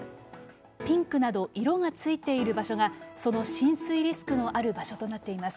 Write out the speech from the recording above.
ピンクなど色が付いている場所がその浸水リスクのある場所となっています。